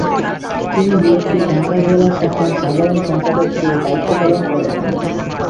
তিনি বিএনপির ঢাকা জেলা শাখার সাধারণ সম্পাদক হিসেবে দায়িত্ব পালন করেন।